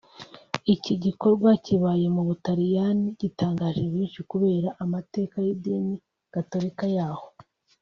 Iki gikorwa kibaye mu Butaliyani gitangaje benshi kubera amateka y’idini gatolika yaho